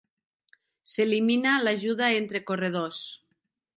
S'elimina l'ajuda entre corredors.